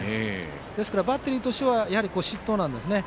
ですから、バッテリーとしては失投なんですね。